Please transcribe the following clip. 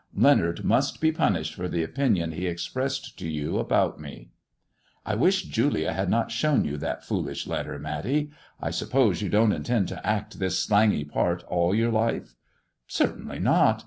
Leonard must be punished for the opinion he expressed to you about me." "I wish Julia had not shown you that foolish letter, Matty. I suppose you don't intend to act this slangy part all your lifer' " Certainly not.